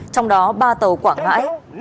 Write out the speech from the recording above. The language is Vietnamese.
trong đó ba tàu quảng ngãi